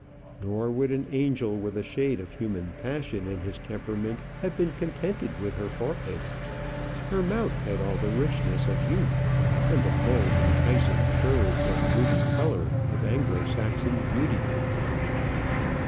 Nor would an angel with a shade of human passion in his temperament have been contented with her forehead. Her mouth had all the richness of youth, and the full enticing curves and ruby colour of Anglo Saxon beauty.